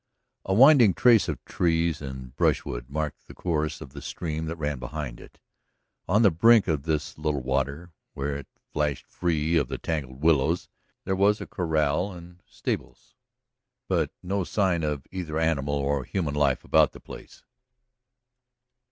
A winding trace of trees and brushwood marked the course of the stream that ran behind it. On the brink of this little water, where it flashed free of the tangled willows, there was a corral and stables, but no sign of either animal or human life about the place.